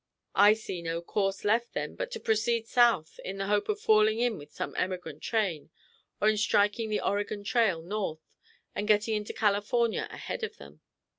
"I see no course left then, but to proceed south, in the hope of falling in with some emigrant train, or in striking the Oregon trail, north, and getting into California ahead of them."